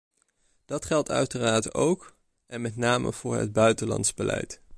Dat geldt uiteraard ook, en met name, voor het buitenlands beleid.